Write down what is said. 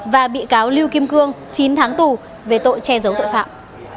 và bị cáo lưu kim cương chín tháng tù về tội che giấu tội phạm